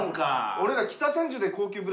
俺ら。